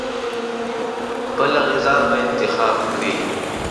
بله غذا به انتخاب کړي.